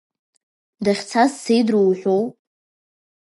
Дахьцаз сеидру уҳәоу.